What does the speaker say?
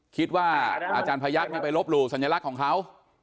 คิดว่าอาจารย์พยักษ์ไม่ไปลบหรูสัญลักษณ์ของเขา